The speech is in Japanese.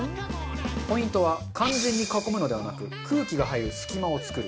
ポイントは完全に囲むのではなく空気が入る隙間を作る。